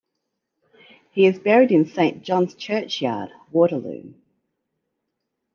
He is buried in Saint John's Church-yard, Waterloo.